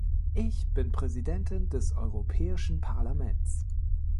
Ich bin Präsidentin des Europäischen Parlaments.